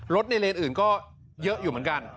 รถในเลนอื่นก็เยอะอยู่เหมือนกัน